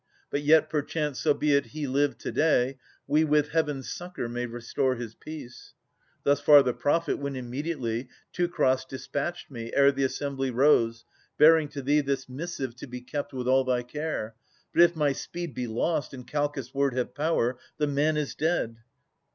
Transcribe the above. But yet, perchance, so be it he live to day, We, with Heaven's succour, may restore his peace.' — Thus far the prophet, when immediately Teucer dispatched me, ere the assembly rose. Bearing to thee this missive to be kept With all thy care. But if my speed be lost. And Calchas' word have power, the man is dead.